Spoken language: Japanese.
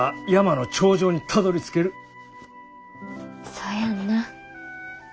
そうやんな。